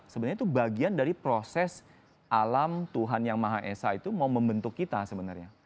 sebenarnya itu bagian dari proses alam tuhan yang maha esa itu mau membentuk kita sebenarnya